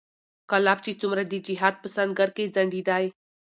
کلاب چې څومره د جهاد په سنګر کې ځنډېدی